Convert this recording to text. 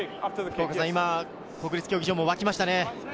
国立競技場も沸きましたね。